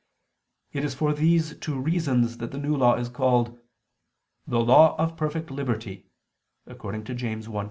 It is for these two reasons that the New Law is called "the law of perfect liberty" (James 1:25).